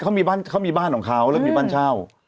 เขามีบ้านเขามีบ้านของเขาแล้วมีบ้านเช่า